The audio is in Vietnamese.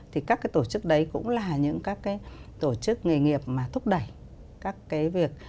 thì các cái tổ chức đấy cũng là những các cái tổ chức nghề nghiệp mà thúc đẩy các cái việc